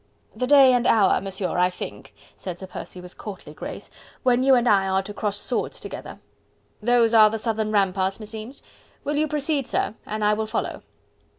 "The day and hour, Monsieur, I think," said Sir Percy with courtly grace, "when you and I are to cross swords together; those are the southern ramparts, meseems. Will you precede, sir? and I will follow."